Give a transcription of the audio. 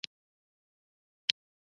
مصنوعي ځیرکتیا د حقیقت درک نوې بڼه ورکوي.